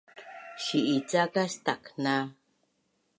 Si’ica kas takna?